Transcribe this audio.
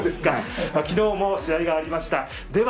昨日も試合がありました。